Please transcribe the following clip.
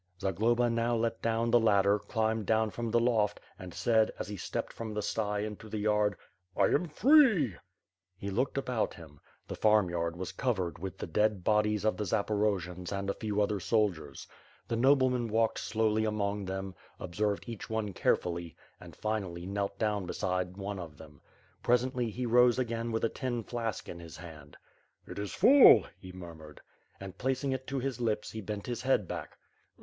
Zagloba now let down the ladder, climbed down from the loft and said, as he stepped from the sty into the yard: '1 am free.'' He looked about him; the farmyard was covered with the *'l WILL KILL EVERY LAST ONE OF VOU.»' ff/V/i Fire and Sword. WITU FIRE AND HWORU. 497 dead bodies of the Zaporojians and a few other soldiers. The nobleman walked slowly among them, observed each one care fully and, finally, knelt down beside one of them. Presently he rose again with a tin flask in his hand. "It is full,"" he murmured. And, placing it to his lips, he bent his head back.